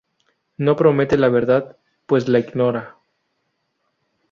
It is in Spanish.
No promete la Verdad, pues la ignora.